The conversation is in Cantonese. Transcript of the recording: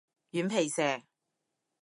軟皮蛇